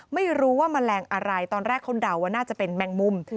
ไม่รู้ว่าแมลงอะไรตอนแรกเขาเดาว่าน่าจะเป็นแมงมุม